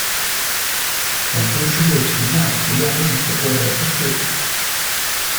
本书是对陈那《集量论》所作的注释。